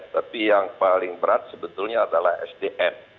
tapi yang paling berat sebetulnya adalah sdm